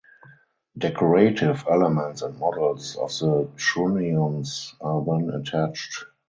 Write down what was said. Decorative elements and models of the trunnions are then attached.